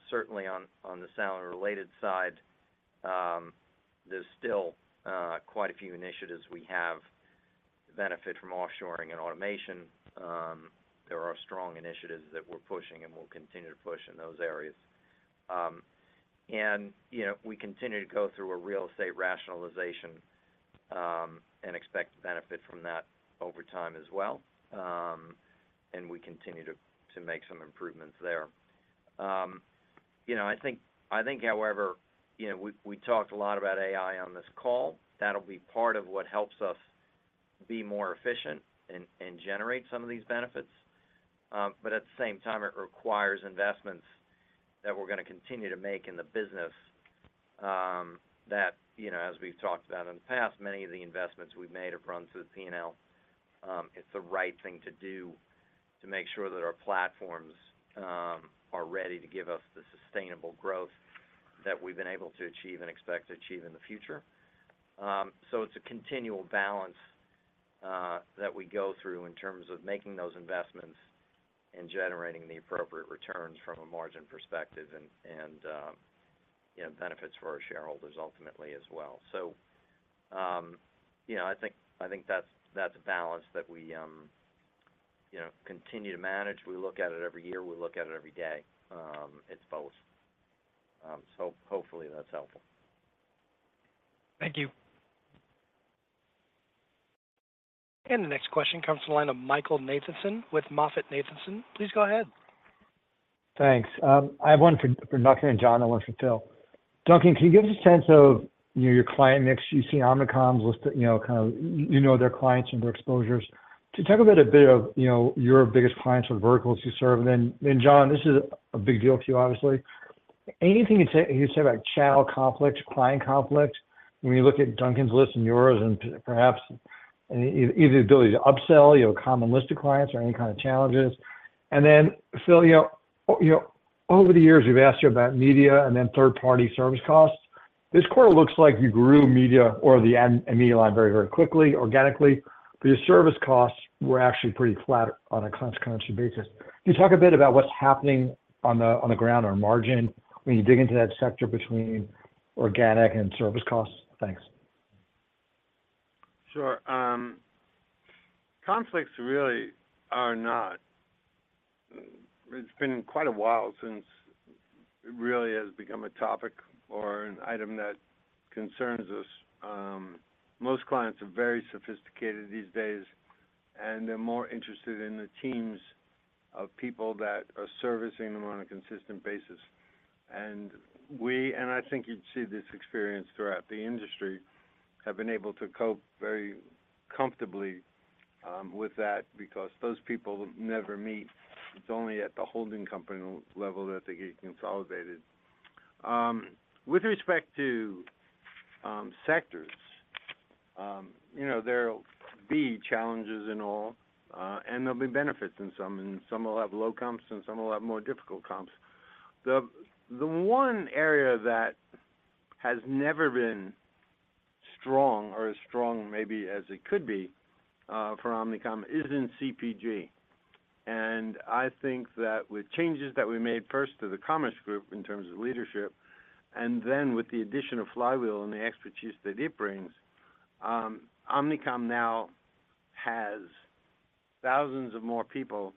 Certainly on the salary-related side, there's still quite a few initiatives we have benefit from offshoring and automation. There are strong initiatives that we're pushing and we'll continue to push in those areas. And, you know, we continue to go through a real estate rationalization and expect to benefit from that over time as well. And we continue to make some improvements there. You know, I think, however, you know, we talked a lot about AI on this call. That'll be part of what helps us be more efficient and generate some of these benefits. But at the same time, it requires investments that we're going to continue to make in the business, that, you know, as we've talked about in the past, many of the investments we've made have run through the P&L. It's the right thing to do to make sure that our platforms are ready to give us the sustainable growth that we've been able to achieve and expect to achieve in the future. So it's a continual balance-... That we go through in terms of making those investments and generating the appropriate returns from a margin perspective and you know, benefits for our shareholders ultimately as well. So, you know, I think that's a balance that we you know, continue to manage. We look at it every year, we look at it every day, it's both. So hopefully that's helpful. Thank you. The next question comes from the line of Michael Nathanson with MoffettNathanson. Please go ahead. Thanks. I have one for Duncan and John, and one for Phil. Duncan, can you give us a sense of, you know, your client mix? You see Omnicom's list, you know, kind of, you know their clients and their exposures. Can you talk about a bit of, you know, your biggest clients or verticals you serve? And then, John, this is a big deal to you, obviously. Anything you'd say, you say about channel conflict, client conflict, when you look at Duncan's list and yours, and perhaps the easy ability to upsell, you know, a common list of clients or any kind of challenges? And then, Phil, you know, over the years, we've asked you about media and then third-party service costs. This quarter looks like you grew media or the ad and media line very, very quickly, organically, but your service costs were actually pretty flat on a constant basis. Can you talk a bit about what's happening on the, on the ground or margin when you dig into that sector between organic and service costs? Thanks. Sure. Conflicts really are not. It's been quite a while since it really has become a topic or an item that concerns us. Most clients are very sophisticated these days, and they're more interested in the teams of people that are servicing them on a consistent basis. And we, and I think you'd see this experience throughout the industry, have been able to cope very comfortably with that because those people never meet. It's only at the holding company level that they get consolidated. With respect to sectors, you know, there'll be challenges in all, and there'll be benefits in some, and some will have low comps, and some will have more difficult comps. The one area that has never been strong or as strong maybe as it could be for Omnicom is in CPG. And I think that with changes that we made first to the Commerce Group in terms of leadership, and then with the addition of Flywheel and the expertise that it brings, Omnicom now has thousands of more people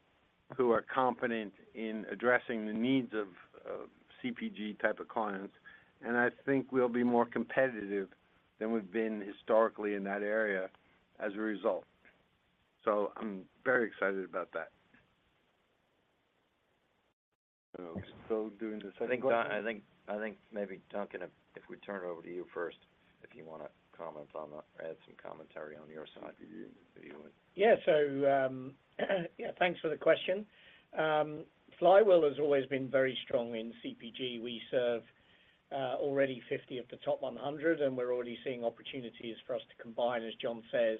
who are competent in addressing the needs of, of CPG type of clients, and I think we'll be more competitive than we've been historically in that area as a result. So I'm very excited about that. So doing the second question? I think, I think maybe, Duncan, if we turn it over to you first, if you want to comment on or add some commentary on your side. Yeah. So, yeah, thanks for the question. Flywheel has always been very strong in CPG. We serve already 50 of the top 100, and we're already seeing opportunities for us to combine, as John says,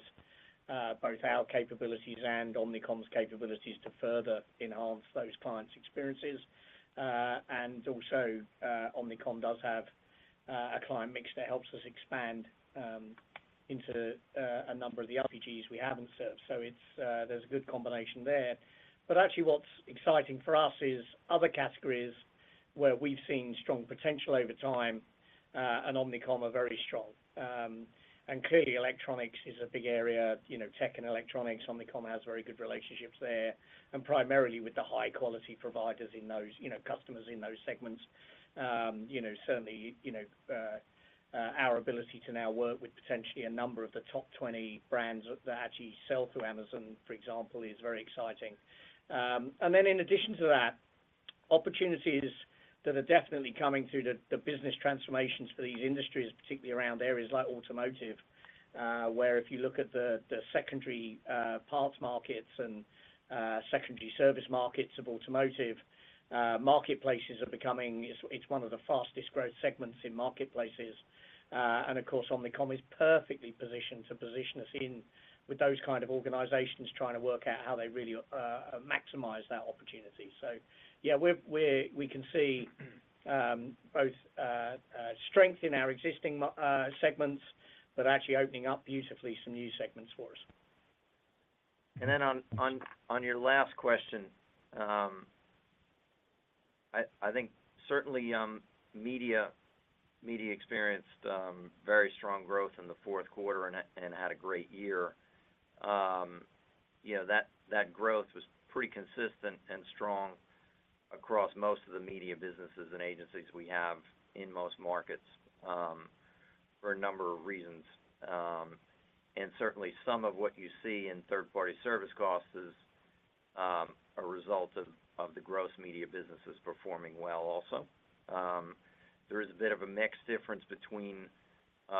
both our capabilities and Omnicom's capabilities to further enhance those clients' experiences. And also, Omnicom does have a client mix that helps us expand into a number of the CPGs we haven't served. So it's a good combination there. But actually, what's exciting for us is other categories where we've seen strong potential over time, and Omnicom are very strong. And clearly, electronics is a big area, you know, tech and electronics, Omnicom has very good relationships there, and primarily with the high quality providers in those, you know, customers in those segments. Certainly, you know, our ability to now work with potentially a number of the top 20 brands that actually sell through Amazon, for example, is very exciting. And then in addition to that, opportunities that are definitely coming through the business transformations for these industries, particularly around areas like automotive, where if you look at the secondary parts markets and secondary service markets of automotive, marketplaces are becoming... It's one of the fastest growth segments in marketplaces. And of course, Omnicom is perfectly positioned to position us in with those kinds of organizations trying to work out how they really maximize that opportunity. So yeah, we can see both strength in our existing market segments, but actually opening up beautifully some new segments for us. And then on your last question, I think certainly media experienced very strong growth in the fourth quarter and had a great year. You know, that growth was pretty consistent and strong across most of the media businesses and agencies we have in most markets for a number of reasons. And certainly some of what you see in third-party service costs is a result of the gross media businesses performing well also. There is a bit of a mix difference between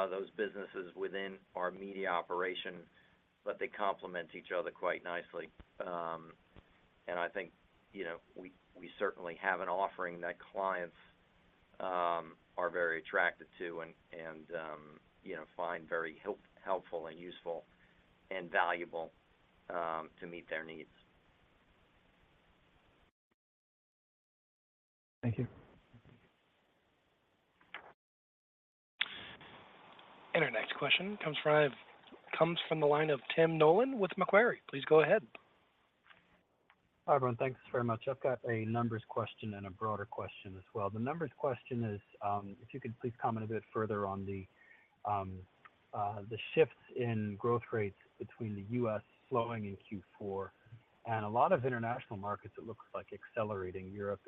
those businesses within our media operation, but they complement each other quite nicely. And I think, you know, we certainly have an offering that clients are very attracted to and, you know, find very helpful and useful and valuable to meet their needs.... Thank you. Our next question comes from the line of Tim Nollen with Macquarie. Please go ahead. Hi, everyone. Thanks very much. I've got a numbers question and a broader question as well. The numbers question is, if you could please comment a bit further on the, the shifts in growth rates between the U.S. slowing in Q4 and a lot of international markets, it looks like accelerating Europe,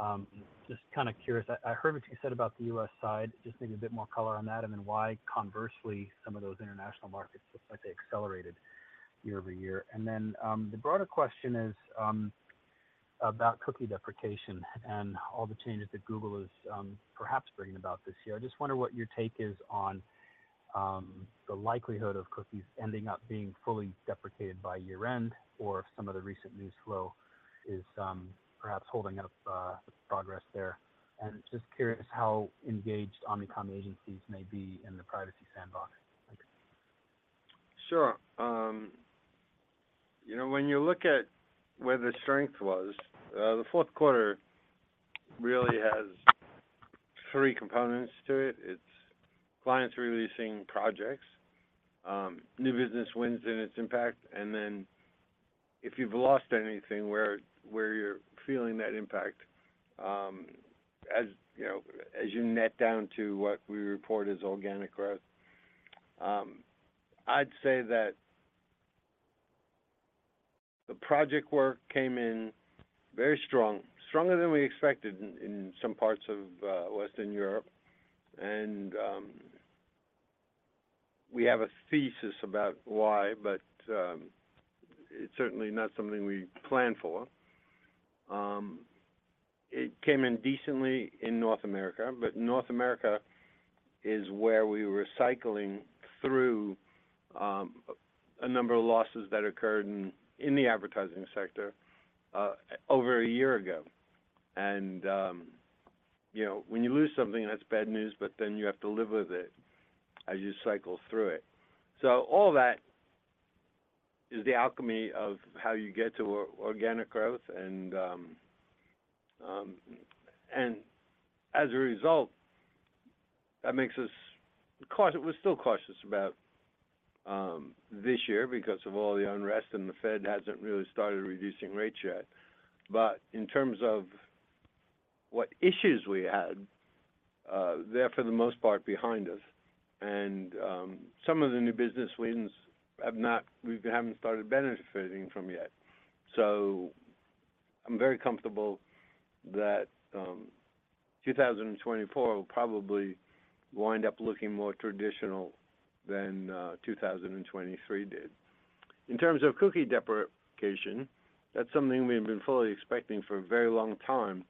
Asia-Pac. Just kind of curious, I heard what you said about the U.S. side, just need a bit more color on that, and then why, conversely, some of those international markets looks like they accelerated year-over-year. And then, the broader question is, about cookie deprecation and all the changes that Google is, perhaps bringing about this year. I just wonder what your take is on the likelihood of cookies ending up being fully deprecated by year-end, or if some of the recent news flow is perhaps holding up the progress there. And just curious how engaged Omnicom agencies may be in the Privacy Sandbox. Thank you. Sure. You know, when you look at where the strength was, the fourth quarter really has three components to it. It's clients releasing projects, new business wins and its impact, and then if you've lost anything, where you're feeling that impact, as you know, as you net down to what we report as organic growth. I'd say that the project work came in very strong, stronger than we expected in some parts of Western Europe, and we have a thesis about why, but it's certainly not something we planned for. It came in decently in North America, but North America is where we were cycling through a number of losses that occurred in the advertising sector over a year ago. You know, when you lose something, that's bad news, but then you have to live with it as you cycle through it. So all that is the alchemy of how you get to organic growth, and as a result, that makes us we're still cautious about this year because of all the unrest, and the Fed hasn't really started reducing rates yet. But in terms of what issues we had, they're for the most part behind us, and some of the new business wins we haven't started benefiting from yet. So I'm very comfortable that 2024 will probably wind up looking more traditional than 2023 did. In terms of cookie deprecation, that's something we've been fully expecting for a very long time,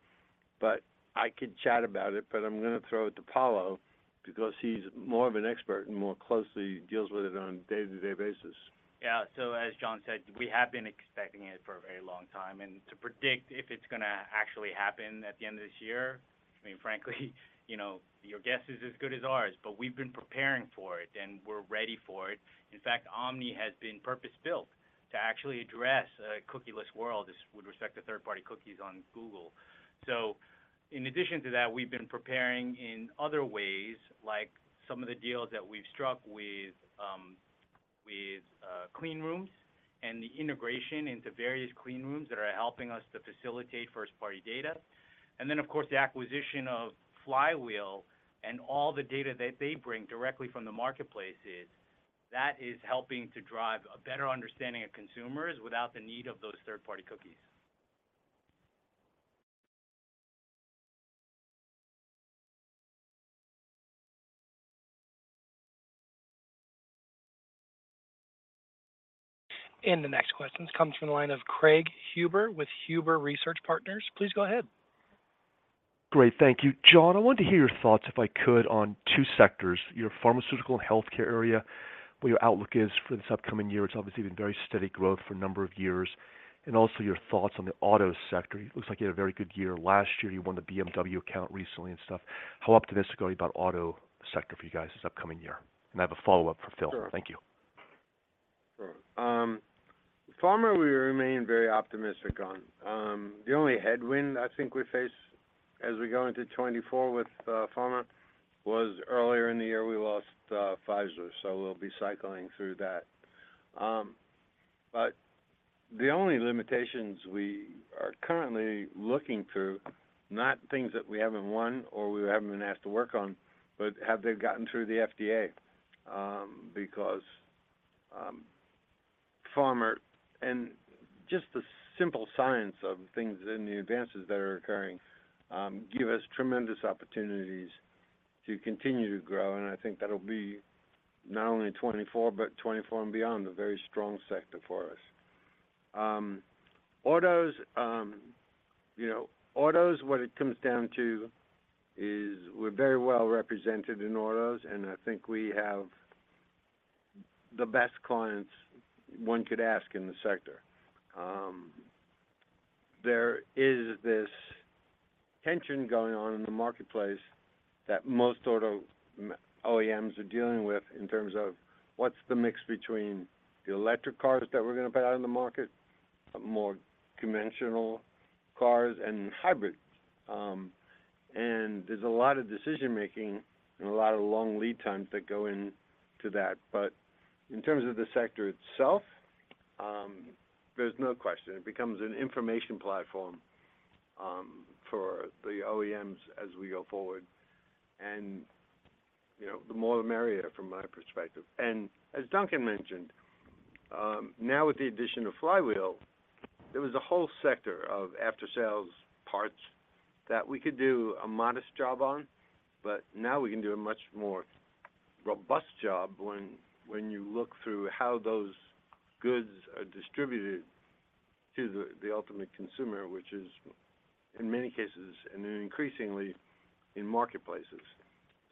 but I could chat about it, but I'm going to throw it to Paolo because he's more of an expert and more closely deals with it on a day-to-day basis. Yeah. So as John said, we have been expecting it for a very long time. And to predict if it's going to actually happen at the end of this year, I mean, frankly, you know, your guess is as good as ours, but we've been preparing for it, and we're ready for it. In fact, Omni has been purpose-built to actually address a cookie-less world, as with respect to third-party cookies on Google. So in addition to that, we've been preparing in other ways, like some of the deals that we've struck with clean rooms and the integration into various clean rooms that are helping us to facilitate first-party data. And then, of course, the acquisition of Flywheel and all the data that they bring directly from the marketplaces. That is helping to drive a better understanding of consumers without the need of those third-party cookies. The next question comes from the line of Craig Huber with Huber Research Partners. Please go ahead. Great, thank you. John, I wanted to hear your thoughts, if I could, on two sectors, your pharmaceutical and healthcare area, what your outlook is for this upcoming year. It's obviously been very steady growth for a number of years. And also your thoughts on the auto sector. It looks like you had a very good year last year. You won the BMW account recently and stuff. How optimistic are you about auto sector for you guys this upcoming year? And I have a follow-up for Phil. Sure. Thank you. Sure. Pharma, we remain very optimistic on. The only headwind I think we face as we go into 2024 with pharma was earlier in the year, we lost Pfizer, so we'll be cycling through that. But the only limitations we are currently looking through, not things that we haven't won or we haven't been asked to work on, but have they gotten through the FDA? Because pharma and just the simple science of things and the advances that are occurring give us tremendous opportunities to continue to grow, and I think that'll be not only 2024, but 2024 and beyond, a very strong sector for us. Autos, you know, autos, what it comes down to is we're very well represented in autos, and I think we have the best clients one could ask in the sector. There is this tension going on in the marketplace that most auto OEMs are dealing with in terms of what's the mix between the electric cars that we're going to put out in the market, more conventional cars, and hybrids. And there's a lot of decision making and a lot of long lead times that go into that. But in terms of the sector itself, there's no question it becomes an information platform for the OEMs as we go forward. And, you know, the more the merrier, from my perspective. As Duncan mentioned, now with the addition of Flywheel, there was a whole sector of after-sales parts that we could do a modest job on, but now we can do a much more robust job when you look through how those goods are distributed to the ultimate consumer, which is, in many cases, and increasingly in marketplaces.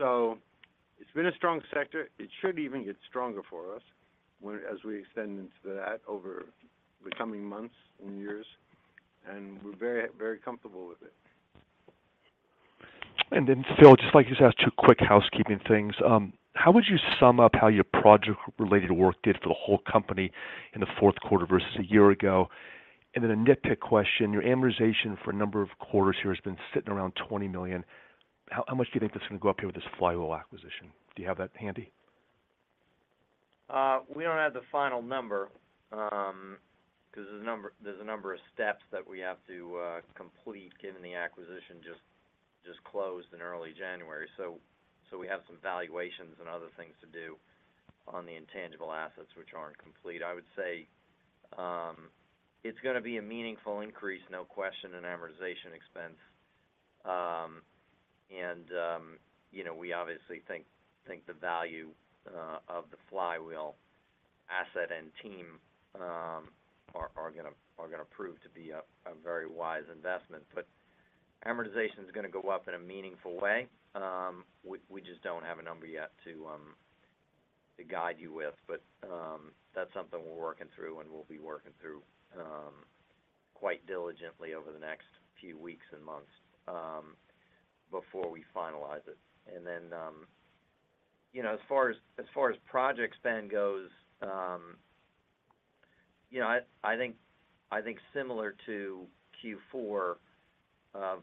It's been a strong sector. It should even get stronger for us as we extend into that over the coming months and years, and we're very, very comfortable with it. Then, Phil, I just like to just ask two quick housekeeping things. How would you sum up how your project-related work did for the whole company in the fourth quarter versus a year ago? And then a nitpick question, your amortization for a number of quarters here has been sitting around $20 million. How much do you think that's going to go up here with this Flywheel acquisition? Do you have that handy? We don't have the final number, because there's a number of steps that we have to complete, given the acquisition just closed in early January. So we have some valuations and other things to do on the intangible assets, which aren't complete. I would say, it's gonna be a meaningful increase, no question, in amortization expense. And you know, we obviously think the value of the Flywheel asset and team are gonna prove to be a very wise investment. But amortization is gonna go up in a meaningful way. We just don't have a number yet to guide you with. But that's something we're working through and we'll be working through quite diligently over the next few weeks and months before we finalize it. And then, you know, as far as project spend goes, you know, I think similar to Q4 of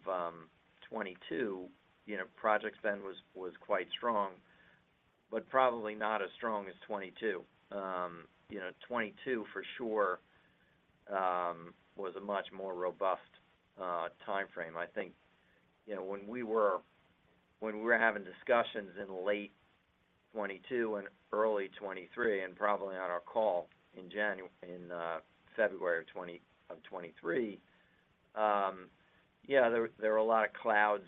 2022, you know, project spend was quite strong, but probably not as strong as 2022. You know, 2022, for sure, was a much more robust timeframe. I think, you know, when we were having discussions in late 2022 and early 2023, and probably on our call in January, in February of 2023, yeah, there were a lot of clouds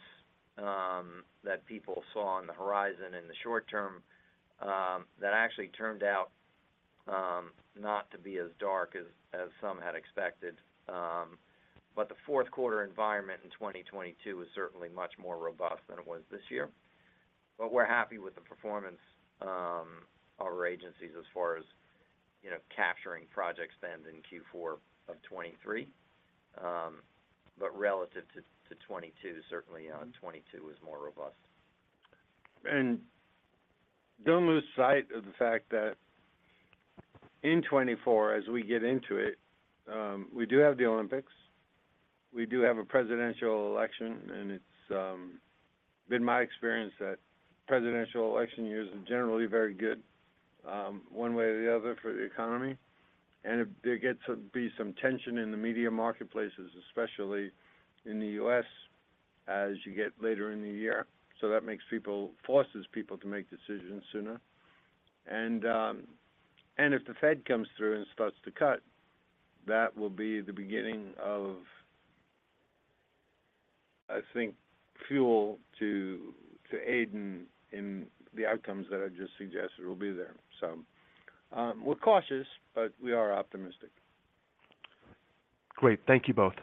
that people saw on the horizon in the short term that actually turned out not to be as dark as some had expected. But the fourth quarter environment in 2022 was certainly much more robust than it was this year. But we're happy with the performance of our agencies as far as, you know, capturing project spend in Q4 of 2023. But relative to 2022, certainly, yeah, 2022 was more robust. Don't lose sight of the fact that in 2024, as we get into it, we do have the Olympics, we do have a presidential election, and it's been my experience that presidential election years are generally very good one way or the other for the economy. There gets to be some tension in the media marketplaces, especially in the U.S., as you get later in the year. So that makes people, forces people to make decisions sooner. If the Fed comes through and starts to cut, that will be the beginning of, I think, fuel to aid in the outcomes that I just suggested will be there. So, we're cautious, but we are optimistic. Great. Thank you both.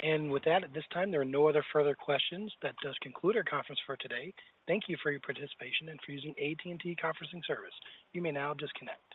And with that, at this time, there are no other further questions. That does conclude our conference for today. Thank you for your participation and for using AT&T conferencing service. You may now disconnect.